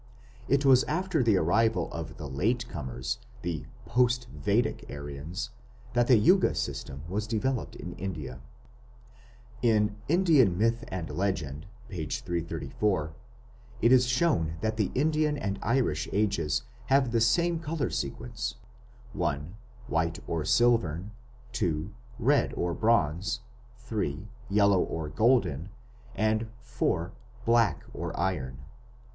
It was after the arrival of the "late comers", the post Vedic Aryans, that the Yuga system was developed in India. In _Indian Myth and Legend it is shown that the Indian and Irish Ages have the same colour sequence: (1) White or Silvern, (2) Red or Bronze, (3) Yellow or Golden, and (4) Black or Iron.